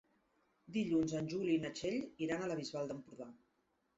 Dilluns en Juli i na Txell iran a la Bisbal d'Empordà.